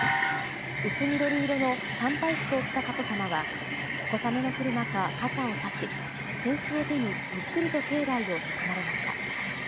薄緑色の参拝服を着た佳子さまは、小雨の降る中、傘を差し、扇子を手に、ゆっくりと境内を進まれました。